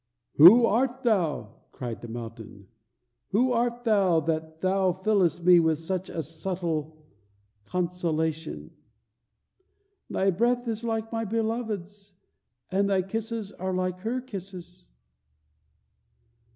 "Who art thou," cried the mountain, "who art thou that thou fill'st me with such a subtile consolation? Thy breath is like my beloved's, and thy kisses are like her kisses."